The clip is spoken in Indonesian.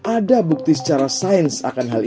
ada bukti secara sains akan hal ini